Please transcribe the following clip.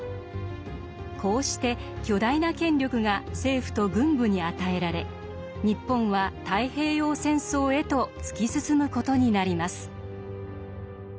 こうして巨大な権力が政府と軍部に与えられ日本は太平洋戦争へと突き進む事になります。